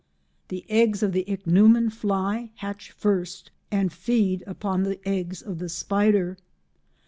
The eggs of the Ichneumon fly hatch first and feed upon the eggs of the spider.